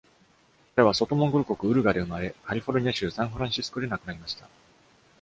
彼は外モンゴル国ウルガで生まれ、カリフォルニア州サンフランシスコで亡くなりました。